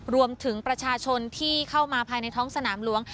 รวมถึงประชาชนที่เข้ามาภายในท้องสนามหลวง